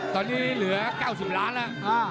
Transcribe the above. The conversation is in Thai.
ตอนนี้เหลือเก้าสิบล้านอ่ะ